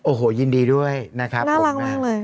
โอ้โหยินดีด้วยนะครับน่ารักมากเลย